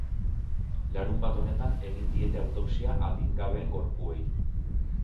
Larunbat honetan egin diete autopsia adingabeen gorpuei.